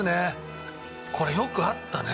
これよくあったね。